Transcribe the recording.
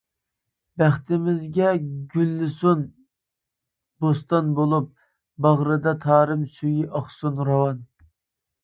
بەختىمىزگە گۈللىسۇن بوستان بولۇپ، باغرىدا تارىم سۈيى ئاقسۇن راۋان.